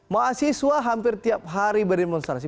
mahasiswa hampir tiap hari berdemonstrasi